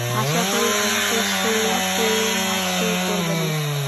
আশা করি, কোনও কিছু কেউ নষ্ট করবে না।